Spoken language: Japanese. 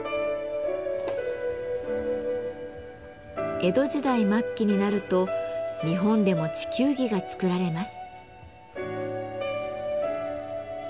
江戸時代末期になると日本でも地球儀が作られます。